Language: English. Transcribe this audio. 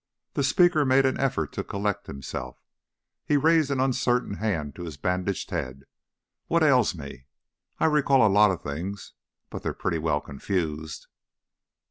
The speaker made an effort to collect himself, he raised an uncertain hand to his bandaged head. "What ails me? I recall a lot of things, but they're pretty well confused."